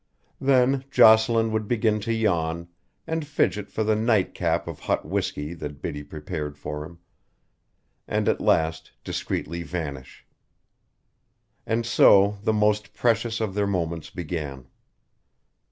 Then Jocelyn would begin to yawn, and fidget for the nightcap of hot whiskey that Biddy prepared for him, and at last discreetly vanish. And so the most precious of their moments began.